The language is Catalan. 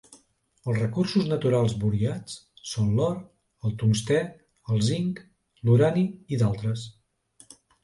Els recursos naturals buriats són l'or, el tungstè, el zinc, l'urani i d'altres.